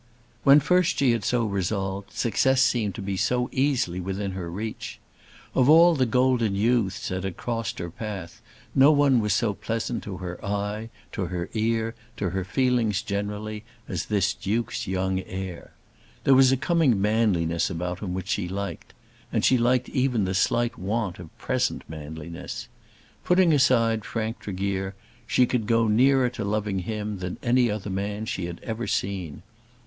When first she had so resolved, success seemed to be easily within her reach. Of all the golden youths that crossed her path no one was so pleasant to her eye, to her ear, to her feelings generally as this Duke's young heir. There was a coming manliness about him which she liked, and she liked even the slight want of present manliness. Putting aside Frank Tregear she could go nearer to loving him than any other man she had ever seen.